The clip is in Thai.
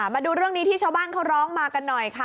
มาดูเรื่องนี้ที่ชาวบ้านเขาร้องมากันหน่อยค่ะ